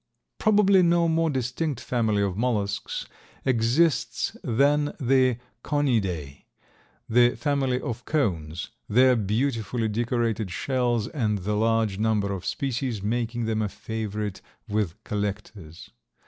Probably no more distinct family of mollusks exists than the Conidae, the family of cones, their beautifully decorated shells and the large number of species making them a favorite with collectors.